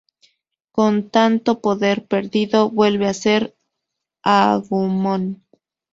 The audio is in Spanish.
Con tanto poder perdido, vuelve a ser Agumon.